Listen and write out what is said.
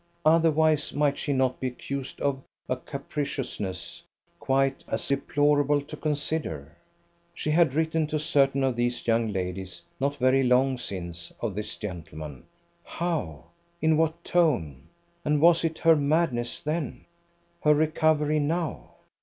Otherwise might she not be accused of a capriciousness quite as deplorable to consider? She had written to certain of these young ladies not very long since of this gentleman how? in what tone? And was it her madness then? her recovery now?